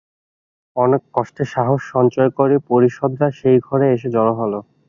অনেক কষ্টে সাহস সঞ্চয় করে পরিষদরা সেই ঘরে এসে জড়ো হল।